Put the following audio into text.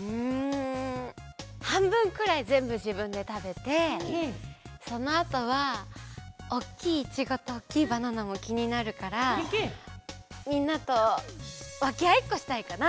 うんはんぶんくらいぜんぶじぶんでたべてそのあとはおっきいイチゴとおっきいバナナもきになるからみんなとわけあいっこしたいかな。